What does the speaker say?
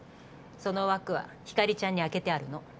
その枠は光莉ちゃんに空けてあるの。